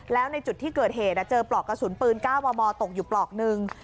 แล้วในจุดที่เกิดเหตุเจอปลอกกระสุนปืน๙มมตกอยู่ปลอกหนึ่ง